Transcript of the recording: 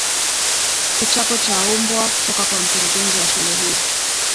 kichapo cha mbwa kutoka kwa mkurugenzi wa shule hiyo